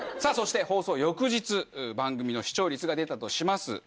そして放送翌日番組の視聴率が出たとします。